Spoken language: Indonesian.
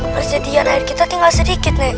prosedian air kita tinggal sedikit nek